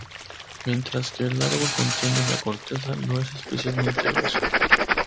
Mientras que el árbol contiene la corteza, no es especialmente grueso.